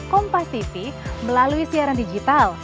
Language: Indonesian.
kompas tv melalui siaran digital